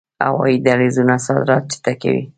هوایی دهلیزونه صادرات چټکوي